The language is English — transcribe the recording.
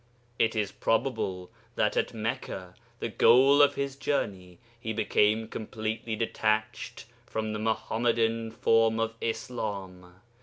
It is probable that at Mecca (the goal of his journey) he became completely detached from the Muḥammadan form of Islam.